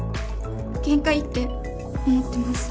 限界って思ってます